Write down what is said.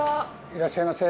いらっしゃいませ。